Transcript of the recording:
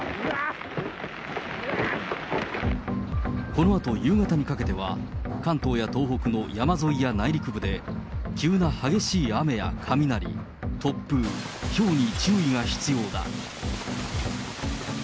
このあと夕方にかけては、関東や東北の山沿いや内陸部で、急な激しい雨や雷、突風、ひょうに注意が必要だ。